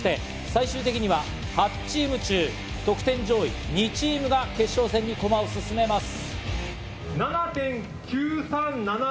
最終的には８チーム中、得点上位２チームが決勝戦に駒を進めます。